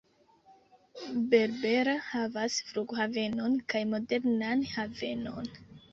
Berbera havas flughavenon kaj modernan havenon.